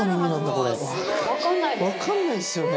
分かんないですよね。